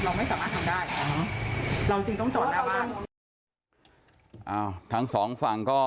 จะไม่เคลียร์กันได้ง่ายนะครับ